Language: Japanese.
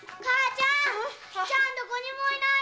ちゃんどこにもいないよ！